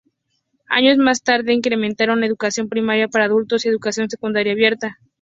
Años más tarde incrementaron educación primaria para adultos y educación secundaria abierta.